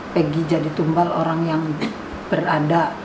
pergi jadi tumbal orang yang berada